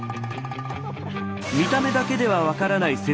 見た目だけでは分からない